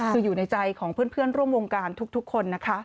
คืออยู่ในใจของเพื่อนร่วมวงการทุกคนนะคะ